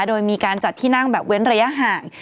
โดยมีการจัดที่นั่งแบบเว้นระยะห่าง